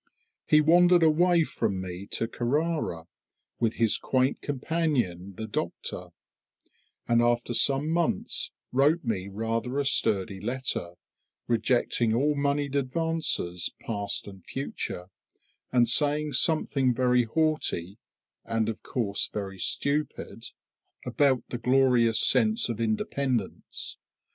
He wandered away from me to Carrara, with his quaint companion the Doctor; and after some months wrote me rather a sturdy letter, rejecting all moneyed advances, past and future, and saying something very haughty, and of course very stupid, about the "glorious sense of independence."